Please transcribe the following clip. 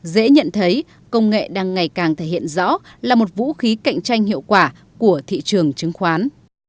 dễ nhận thấy công nghệ đang ngày càng thể hiện rõ là một vũ khí cạnh tranh hiệu quả của thị trường chứng khoán